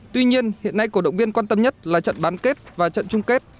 tuy nhiên hiện nay cổ động viên quan tâm nhất là trận bán kết và trận chung kết